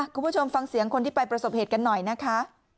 คุณผู้ชมฟังเสียงคนที่ไปประสบเหตุกันหน่อยนะคะ